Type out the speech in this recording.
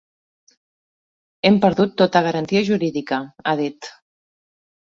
Hem perdut tota garantia jurídica, ha dit.